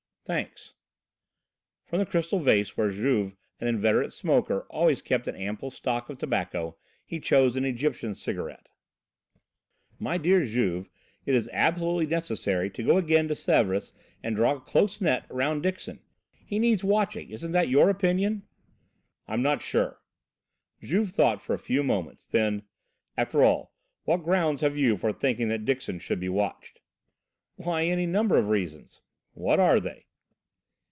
"Thanks." From the crystal vase where Juve, an inveterate smoker, always kept an ample stock of tobacco, he chose an Egyptian cigarette. "My dear Juve, it is absolutely necessary to go again to Sèvres and draw a close net round Dixon. He needs watching. Isn't that your opinion?" "I'm not sure." Juve thought for a few moments, then: "After all, what grounds have you for thinking that Dixon should be watched?" "Why, any number of reasons." "What are they?"